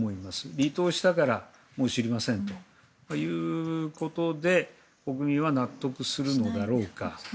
離党したからもう知りませんということで国民は納得するのだろうか。